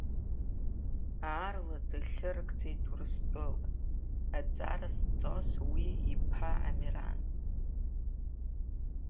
Аарла дахьырыгӡеит Урыстәыла аҵара зҵоз уи иԥа Амиран.